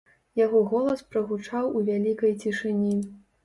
Яго голас прагучаў у вялікай цішыні.